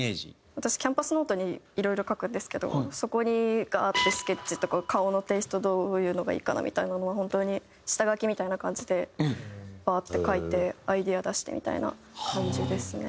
私キャンパスノートにいろいろ描くんですけどそこにガーッてスケッチとか顔のテイストどういうのがいいかなみたいなのは本当に下書きみたいな感じでバーッて描いてアイデア出してみたいな感じですね。